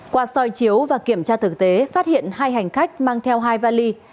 qua soi chiếu và kiểm tra thực tế phát hiện hai hành khách mang theo hai vali